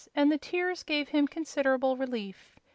and the tears gave him considerable relief.